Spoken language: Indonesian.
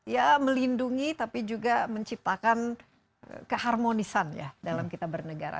ya melindungi tapi juga menciptakan keharmonisan ya dalam kita bernegara